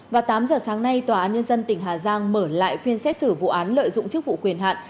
vào tám giờ sáng nay tòa án nhân dân tỉnh hà giang mở lại phiên xét xử vụ án lợi dụng chức vụ quyền hạn